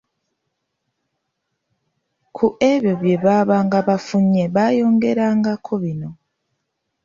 Ku ebyo bye baabanga bafunye baayongerangako bino